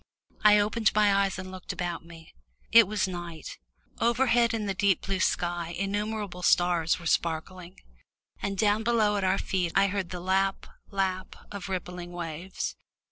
I opened my eyes and looked about me. It was night overhead in the deep blue sky innumerable stars were sparkling, and down below at our feet I heard the lap lap of rippling waves.